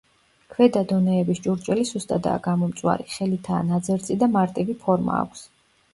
ქვედა დონეების ჭურჭელი სუსტადაა გამომწვარი, ხელითაა ნაძერწი და მარტივი ფორმა აქვს.